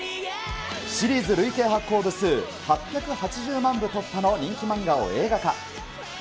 シリーズ累計発行部数８８０万部突破の人気漫画を映画化。